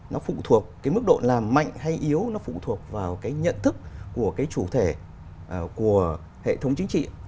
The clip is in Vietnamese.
nó phụ thuộc cái mức độ làm mạnh hay yếu nó phụ thuộc vào cái nhận thức của cái chủ thể của hệ thống chính trị tại cơ sở